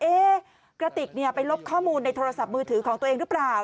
กระติกไปลบข้อมูลในโทรศัพท์มือถือของตัวเองหรือเปล่า